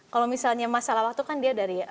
kalau misalnya masalah waktu kan dia di tempat